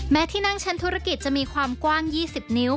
ที่นั่งชั้นธุรกิจจะมีความกว้าง๒๐นิ้ว